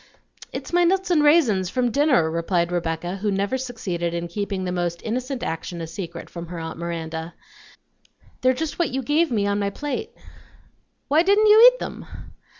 "It's my nuts and raisins from dinner," replied Rebecca, who never succeeded in keeping the most innocent action a secret from her aunt Miranda; "they're just what you gave me on my plate." "Why didn't you eat them?"